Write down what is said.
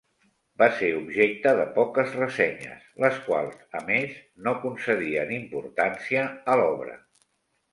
Va ser objecte de poques ressenyes, les quals, a més, no concedien importància a l'obra.